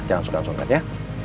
jangan suka suka ya